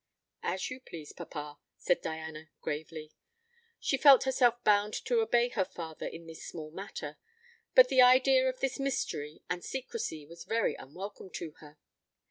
"As you please, papa," said Diana gravely. She felt herself bound to obey her father in this small matter; but the idea of this mystery and secrecy was very unwelcome to her.